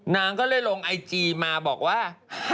นางก็เลยลงไอจีมาบอกว่า